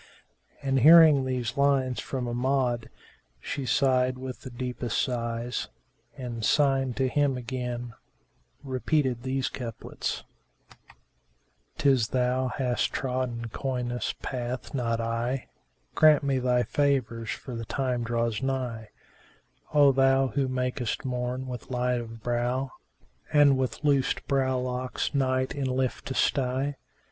And hearing these lines from Amjad she sighed with the deepest sighs and, signing to him again, repeated these couplets, "'Tis thou hast trodden coyness path not I: * Grant me thy favours for the time draws nigh: O thou who makest morn with light of brow, * And with loosed brow locks night in lift to stye!